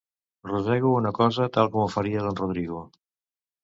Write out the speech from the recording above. Rosego una cosa tal com ho faria don Rodrigo.